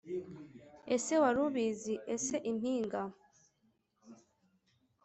Ese wari ubizi ese impinga